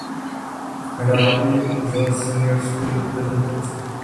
Hrál i za seniorskou reprezentaci.